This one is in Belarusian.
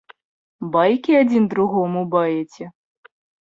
Байкі адзін другому баеце?!